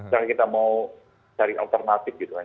misalnya kita mau cari alternatif gitu kan